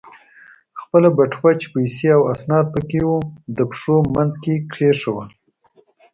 خپله بټوه چې پیسې او اسناد پکې و، د پښو په منځ کې کېښوول.